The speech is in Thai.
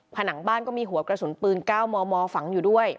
ผนังบ้านก็มีหัวกระสุนปืน๙มมฝังอยู่ด้วย